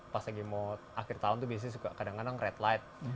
pas lagi mau akhir tahun tuh biasanya suka kadang kadang red light